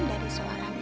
dari seorang ibu